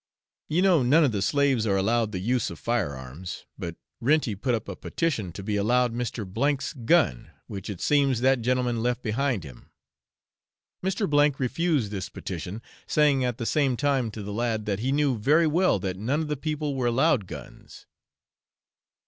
You know none of the slaves are allowed the use of fire arms; but Renty put up a petition to be allowed Mr. K 's gun, which it seems that gentleman left behind him. Mr. refused this petition, saying at the same time to the lad that he knew very well that none of the people were allowed guns.